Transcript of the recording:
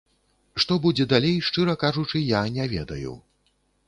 Што будзе далей, шчыра кажучы, я не ведаю.